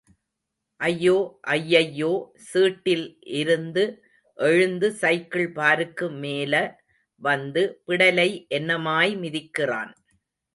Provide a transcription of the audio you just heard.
அய்யோ... அய்யய்யோ... சீட்டில் இருந்து எழுந்து... சைக்கிள்பாருக்கு மேல வந்து... பிடலை என்னமாய் மிதிக்கிறான்.